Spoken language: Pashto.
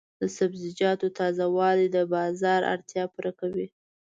د سبزیجاتو تازه والي د بازار اړتیا پوره کوي.